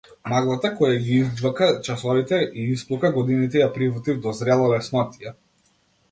Маглата која ги изџвака часовите и исплука годините ја прифатив до зрела леснотија.